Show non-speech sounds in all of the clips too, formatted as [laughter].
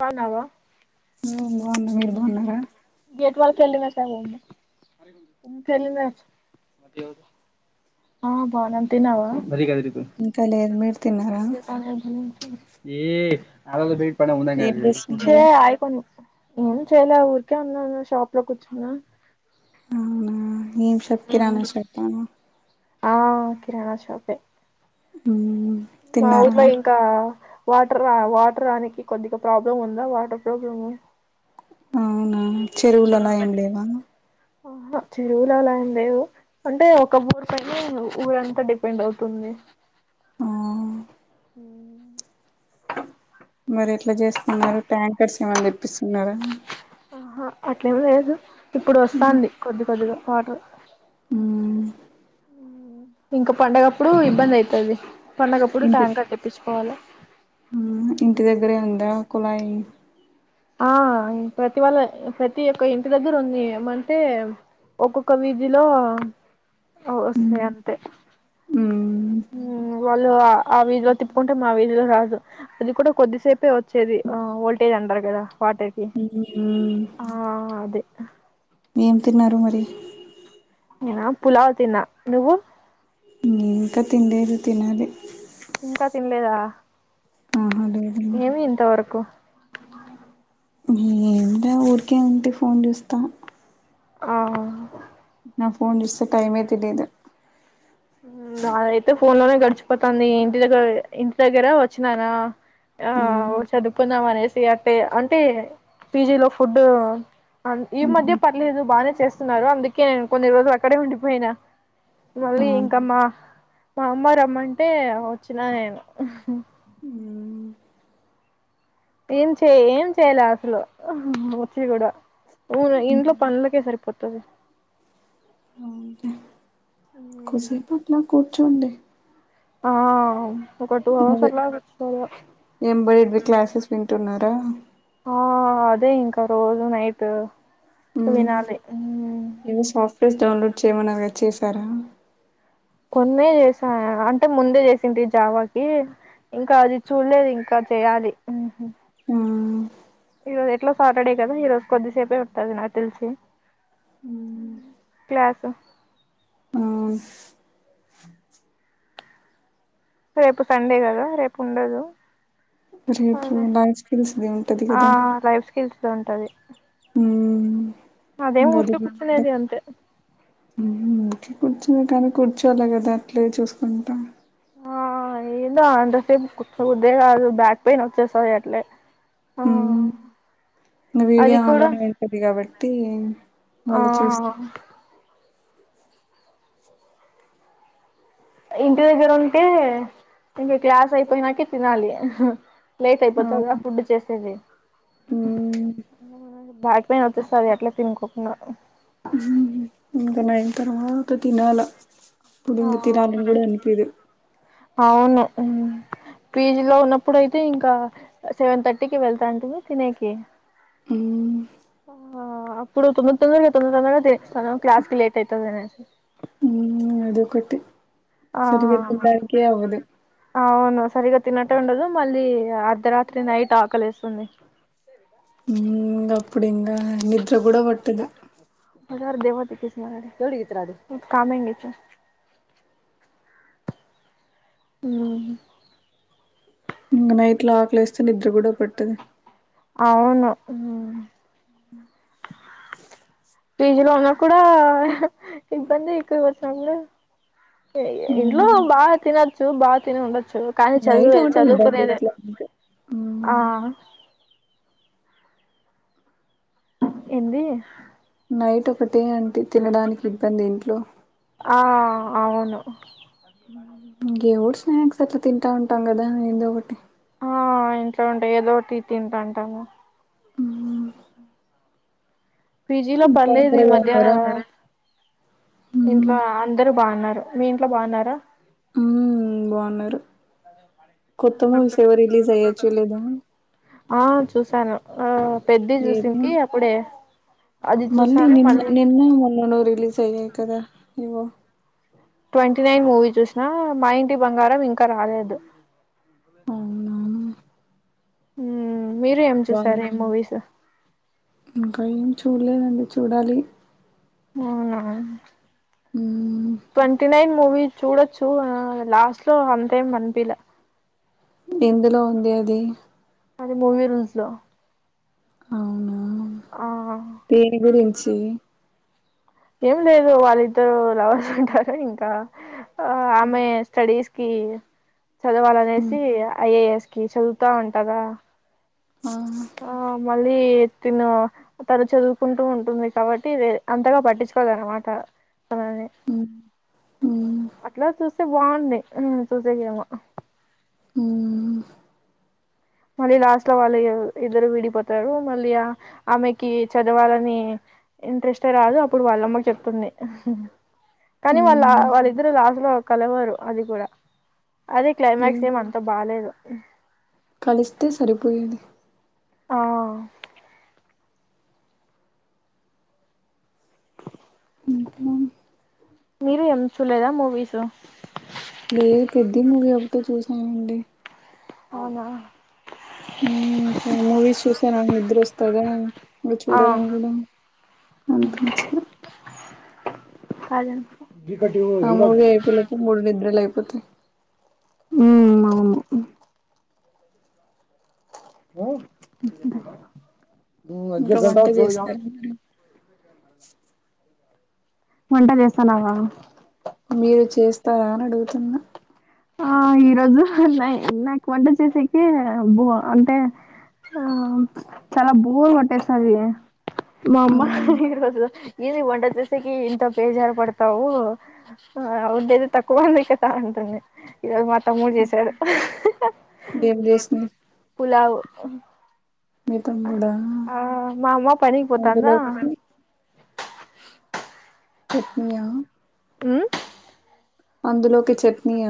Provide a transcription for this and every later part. బాగున్నావా ఉం బాగున్న మీరు బాగున్నారా ిన తె [unintelligible] ా బానంత నావా [unintelligible] ఇంకా లేదు మీరు తిన్నారా ఏ అద బేట్ పడ ఉంద ఏం కాపో చేస్తున్నారు [unintelligible] ఏమ్ చేయలే ఊరికే ఉన్నాను షాప్ లో కూర్చున్నా అవునా ఏమ్ షాప్ కిరానా షాప్ నా ఆ కిరాణా షాపే ఉం మా ఊర్లో ఇంకా వాటర్ వాటర్ రానికి కొద్దిగా ప్రాబ్లం ఉందా వాటర్ ప్రాబ్లం అవునా చెరువులలా ఏమ్ లేవా ఆహా చెరువులా అలా ఏమ్ లేవు అంటే ఒక ఊరు పైన ఊరంతా డిపెండ్ అవుతుంది ఆ హ మరి ఎట్లా చేస్తున్నారు ట్యాంకర్స్ ఏమన్నా తెప్పిస్తున్నారా ఆహా అట్లేమి లేదు ఇప్పుడు వస్తాంది కొద్ది కొద్దిగా వాటర్ ఉం ఇంకా పండగప్పుడు ఇబ్బంది అయితది పండగప్పుడు ఇంటి ట్యాంకర్ తెప్పించుకోవాలి ఇంటి దగ్గరే ఉంద కుళయి ఆ ప్రతి వాళ్ళ ప్రతి ఒక్క ఇంటి దగ్గర ఉంది ఏమ్ అంటే ఒక్కొక్క వీధిలో హ్మ్ వస్తాయి అంతే హ్మ్ ఉం వా ఆ వీధిలో తిప్పుకుంటే మా వీధి లో రాదు అది కూడా కొద్దిసేపే వచ్చేది వోల్టేజ్ అంటరు కదా వాటర్కి హ్మ్. ఆ అదే ఏం తిన్నారు మరి నేనా పులావ్ తిన్నా నువ్వు ఇంకా తినలేదు తినాలి ఇంకా తినలేదా ఆహా లేదు ఏమి ఇంత వరకు ఏమిలా ఊరికే ఉంటే ఫోన్ చూస్తా ఆ నా ఫోన్ జస్టు టైమే తెలీదు నాదైతే ఫోన్ లోనే గడిచిపోతుంది ఇంటి దగ్గర ఇంటి దగ్గర వచ్చినానా ఆ ఉహు చదువుకుందాం అనేసి అట్టే అంటే పీజీలో ఫుడ్ ఈ మధ్య పర్లేదు బాగానే చేస్తున్నారు అందుకే నేను కొన్ని రోజులు అక్కడే ఉండిపోయినా ఆ మళ్ళీం ఇంకా మా మా అమ్మ రమ్మంటే వచ్చినా నేను ఏం చేయ ఏం చేయలే అసలు వచ్చి కూడా వును ఇంట్లో పనులకే సరిపోతది అవును కాసేపు అట్లా కూర్చోండి ఆ ఒక టూ హవర్స్ అదే అట్లా చూసుకోళ్లా ఎంబ్రాయిడరీ క్లాసెస్ వింటున్నారా ఆ అదే ఇంకా రోజు నైట్ వినాలి ఉమ్ ఏమో సాఫ్ట్వేర్స్ డౌన్లోడ్ చేయమన్నారుగా చేసారా కొన్నే చేసా అంటే ముందే చేసింటి జావాకి ఇంకా అది చూడలేదు ఇంకా చెయాలి ఆ ఈ రోజు ఎట్లా సాటర్డే కదా ఈ రోజు కొద్దిసేపే ఉంటది నాకు తెలిసి క్లాసు ఆ స్ రేపు సండే కదా రేపు ఉండదు రేపు అదే లైఫ్ స్కిల్స్ది ఉంటది ఆ కదా లైఫ్ స్కిల్స్ ఉంటది అదేం గది ఊరికే టా కూర్చునేది అంతే ఇంకే కూర్చుని కాడే కూర్చోలి కదా అట్లే చూసుకుంటా ఆ ఏందో అంతసేపు కూర్చో బుద్దే కాదు బ్యాక్ పెయిన్ వచ్చేస్తది అట్లే ఆ ఉమ్ ఇంగ అది వీడియో కూడా ఆన్లోనే ఉంటది కాబట్టి ఆ వాళ్ళు చూస్త ఇంటి దగ్గర ఉంటే ఇంక క్లాస్ అయిపోయినాక తినాలి లేట్ అయిపోతాద ఫుడ్ చేసేది బ్యాక్ పెయిన్ వచ్చేస్తాది అట్లే తినకోకుండా ఇంకా నైన్ తర్వాత తినాల అప్పుడు తినాలి అని కూడా అనిపియ్యదు పీజీ లో ఉన్నప్పుడు అయితే ఇంకా సెవెన్ థర్టీకి వెళ్తాంటి తినేకి ఉమ్ ఆ అప్పుడు తొమ్మిది తొమ్దదరగా తొమ్మిది తొందరగా తినేస్తాను క్లాస్ కి లేట్ అవుతుంది అనేసి అదొకటి ఆ సరిగా తినడానికే అవ్వదు అవును సరిగా తినట్ ఉండదు మళ్ళీ అర్ధరాత్రి నైట్ ఆకలి ఏస్తుంది ఉమ్ గప్పుడిన్గా నిద్ర కూడా పట్టదు [unintelligible] ఉమ్ ఇంకా నైట్ లో ఆకలి వస్తే నిద్ర కూడా పట్టది అవును ఉ పీజీలో ఉన్నా కూడా ఇబ్బంది ఎక్కువ వచ్చా ఇంట్లో బాగా తినొచ్చు బాగా తిని ఉండచ్ చ్చు కానీ నైట్ చదువే ఒకటే ఇబ్బంది చదువుకునేది ఇంట్లో అంతే ఆ ఏంది నైట్ ఒకటే అంటే తినడానికి ఇబ్బంది ఇంట్లో ఆ అవును ఇంగ ఏవో స్నాక్స్ ఎలా తింటా ఉంటాం కదా ఏదో ఒకటి ఆ ఇంట్లో ఉండి ఏదోటి తింటాంటామ్ పీజీలో పర్లేదు ఈ జాగ్రత్తగా మధ్య ఉన్నారా? ఇంట్లో అందరు బాగున్నారు మీ ఇంట్లో బాగున్నారా ఉ బాగున్నారు కొత్త మూవీస్ ఏదో రిలీజ్ అయ్యాయి చూడలేదా ఆ చూసాను ఆ పెద్ద ఏది చూసింది అప్పుడే అది మళ్ళీ చూసాను నిన్న మళ్ళీ నిన్న మొన్ననో రిలీస్ అయ్యాయి కదా ఏవో ట్వంటీ నైన్ మూవీ చూసిన మా ఇంటి బంగారం ఇంకా రాలేదు అవునా మీరు ఏం చూసారు బాగుందా ఏం మూవీస్ ఇంకా ఏం చూల్లేదండి చూడాలి అవునా హ్మ్ ట్వంటీ నైన్ మూవీ చూడొచ్చు లాస్ట్ లో అంతేం మనిపిలా ఎందులో ఉంది అది అది మూవీ రుల్జ్ లో అవునా ఆ పేడ్ గురించి ఏం లేదు వాళ్ళిద్దరు లవర్స్ ఉంటారు ఇంకా ఆ ఆమె స్టడీస్ కి హ్మ్ చదవాలనేసి ఐ ఏ ఎస్ కి చదువుతా ఉంటది ఆ మళ్ళీ తిను తను చదువుకుంటూ ఉంటుంది కాబట్టి అంతగా పట్టించుకోదనమాట తనని ఉ అట్లా చూస్తే బాగుంది చూసే కెమొ హ్మ్ మళ్ళీ లాస్ట్ లో వాళ్ళు ఇద్దరు విడిపోతారు మళ్ళీ ఆమెకి చదవాలని ఇంట్రెస్టే రాదు అప్పుడు వాళ్ళమ్మకి చెప్తుంది కానీ వాళ్ళు హ్మ్ వాళ్ళిద్దరు లాస్లో కలవరు అది కూడా అదే ఏం క్లైమాక్స్ ఏమ అంతా బాలేదు కలిస్తే సరిపోయేది ఆ ఇంకా మీరు ఏం చూల్లేదా మూవీస్ లేదు పెద్ధి మూవి ఒకటె చూసానండి అవునా మ్మ్ మూవీస్ చూసా నాకు నిద్ర వస్తదా ఇంకా ఆ చూడాలని కూడా అనిపించలె హలో ఆ మూవ అయిపోలప్పు మూడు నిద్రలు అయిపోతే ఉ అవును ఇంకా గటా వంట చ చేస్తారా మీరు వంట చేస్తానావా మీరు చేస్తారా అని అడుగుతున్న ఆ ఈరోజు నాకు వంట చేసేకి బో అంటే ఆ చాలా బోర్ కొట్టేసినది మా అమ్మ మ్మ్ ఈ రోజు ఇది వంట చేసేకి ఇంత బేజారు పడతావు ఆ ఔదేది తకుంద కదా అంటుంది ఇవాళ మ తమ్ముడు చేసాడు ఏం చేసినరు పులావ్ హ మీ తమ్ముడా అమ్మ పనికి పోతాందా అందులోకి పెట్టిన్య అం అందులోకి చట్నీయ్య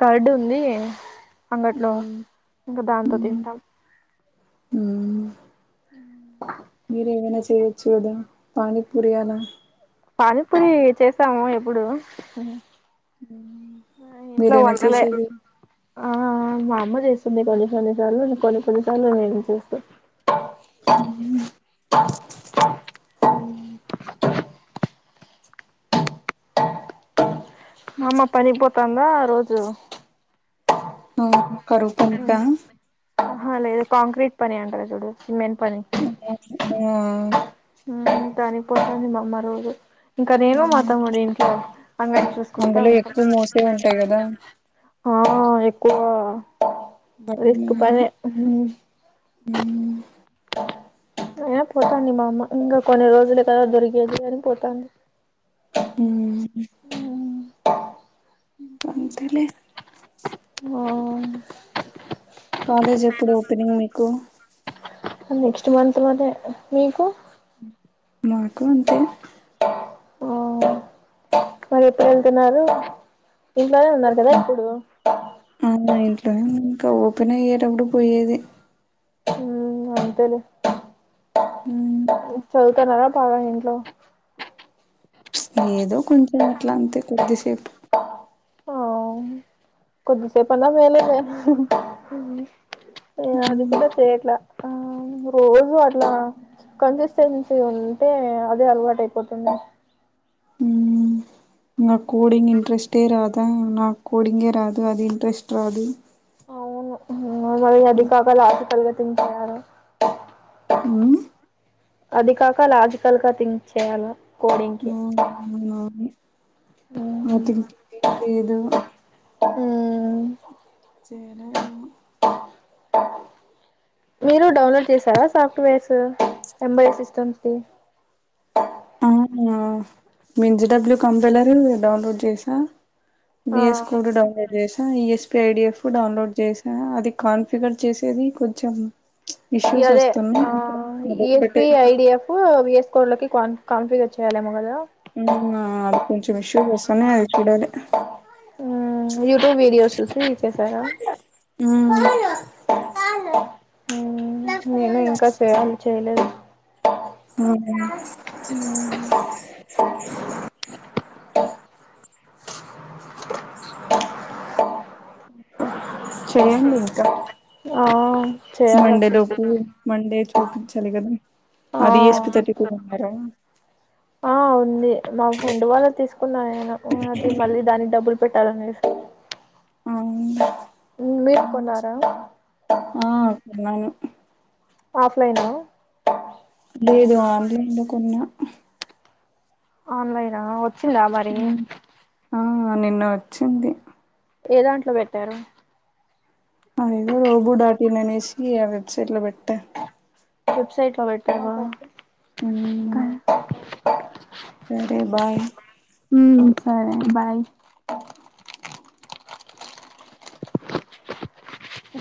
కర్డు ఉంది అంగట్లో మ్మ్ ఇంకా దాంతో తింటాం మీర ఏమైనా చే వెడ్చెదా పానీపూరినా పానీ పూరి చేస్తాము ఎప్పుడు ఇంట్లో మీరేనా వండలే చేసేది ఆ మాఅమ్మ చేస కొని కొని కొని కొని సార్లు ని కొడుకులక నువ్ ఏమైనా చేస్తే అ అ మ అమ్మ పనికీపోతాందా రోజు అ కరువ్ పనికా ఆహా లేదు కాంక్రీట్ పని అంటారా చూడు సిమెంట్ పని ఆ దానికిపోతుంది మా అమ్మ రోజు ఇంకా నేను మ ఆ తమ్ముడు ఇంట్లో అందర్నీ అందులో చూసుకుంటాఉంటాం ఎక్కువ మోసే ఉంటాయి కదా ఆ ఎక్కువ రిస్క్ పనే హ్మ్ ఏ పోతాంది మఅమ్మ ఇంకా కొన్ని రోజులు కదా దొరికెది అని పోతంది హమ్మ్ ఇంకంతేలే ఓ కాలేజ్ ఎప్పుడు ఓపెనింగ్ మీకు నెక్స్ట్ మంత్లోనే మీకు మాకు అంతే ఆ మరి ఎప్పుడు వెళ్తున్నారు ఇంట్లోనే ఉన్నారు కదా ఇప్పుడు కా ఇంకా ఓపెనయేటపుడు పోయేది మ్మ్ అంతేలే హ్మ్ చదువుతావా బాగా ఇంట్లో ఏదో కొంచెం అట్లా అంతే కొద్దిసేపు కొద్దిసేపాల వేరేదే అది కూడా చేయట్లా ఆ రోజూ అట్లా కన్సిస్టెన్సీ ఉంది ఉంటే అదే అలవాటు అయిపోతుంది న ఉమ్ నాకు కోడింగ్ ఇంట్రెస్టే రాదా నాకు కోడింగే రాదు అది ఇంట్రెస్ట్ రాదు అవును మరి అది కాగాల అది పరిగతిం తయారు అది కాక లాజికల్ గా థింక్స్ చేయాలా ఆ అవును ఆ మ్మ్ థింకింగే లేదు మ్మ్ చేేనా ఏమో మీరు డౌన్లోడ్ చేసారా సాఫ్ట్వేర్స్ ఎంబెడెడ్ సిస్టమ్ కు మీన్జడబ్ల్యూ కంపైలరు డౌన్లోడ్ చేసిన వి ఎస్ ఆ కోడ్ డౌన్లోడ్ చేసా ఈఎస్పి ఐడిఎఫ్ డౌన్లోడ్ చేసా అది కాన్ఫిగర్ చేసేది కొంచెం ఇ ఇష్యూస్ అదే ఆ వస్తున్నాయి అదొక్కటే ఈఎస్పి ఐడిఎఫ్ విఎస్ కోడ్ లోకి కాన్ కన్ఫిగర్ చేయలేమో కదా మ్ ఆ అది కొంచెం ఇష్యూ చేస్తానే అది చూడాలి సచేసేసి చేసారా [unintelligible] నేను ఇంకా చేయాలి చేయలేదు మ్హు [inaudible] చేయండి ఇంకా ఆ చేయాలి మండే వచ్చేసి లోపు మండే చూపించాలి కదా ఆ అది ఎస్పి తర్టీ టూ ఉన్నారా ఆ ఉంది మా ఫ్రెండ్ వాళ్ళది తీసుకున్నా నేను అ అది మళ్ళీ దానికి డబ్బులు పెట్టాలనేసి అవున మీరు మ్ కొన్నారా హు ఆ [unintelligible] ఆఫ్లైనా కున్ను ఆన్లైనా వచ్చిందా మరి ఆ నిన్న వచ్చింది ఏ దాంట్లో పెట్టారు అదేదో రోబు డాట్ ఇన్ అనేసి ఆ వెబ్సైట్ లో పెట్టా వెబ్సైట్ల బెట్టావ సరే బాయ్ మ్ సరే బాయ్